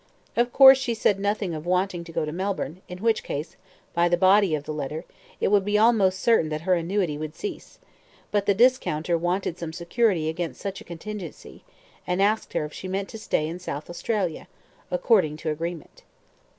Of course she said nothing of wanting to go to Melbourne, in which case, by the body of the letter, it would be almost certain that her annuity would cease, but the discounter wanted some security against such a contingency, and asked her if she meant to stay in South Australia, according to agreement.